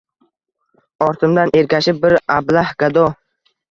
Ortimdan ergashib bir ablah gado